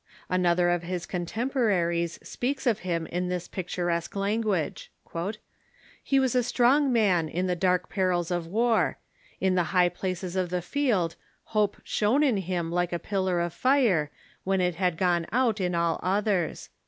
'' Another of his contemporaries speaks of him in this pictu I'esque language :" He was a strong man in the dark perils of 302 THE MODERN CHURCH war ; in the bigli places of the field hope shone in him like a pillar of fire, when it had gone out in all others."